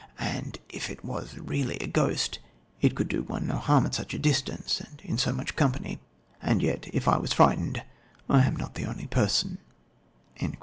And if it was really a ghost, it could do one no harm at such a distance, and in so much company; and yet, if I was frightened, I am not the only person."